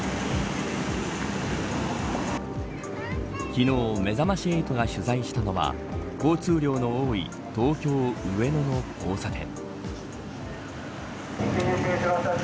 昨日、めざまし８が取材したのは交通量の多い東、京上野の交差点。